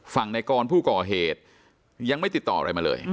ในกรผู้ก่อเหตุยังไม่ติดต่ออะไรมาเลย